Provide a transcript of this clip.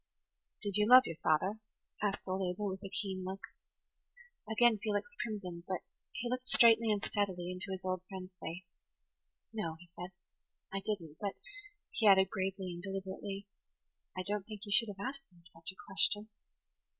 "Did you love your father?" asked old Abel, with a keen look. Again Felix crimsoned; but he looked straightly and steadily into his old friend's face. "No," he said, "I didn't; but," he added, gravely and deliberately, "I don't think you should have asked me such a question."